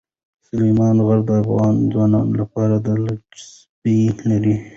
سلیمان غر د افغان ځوانانو لپاره دلچسپي لري.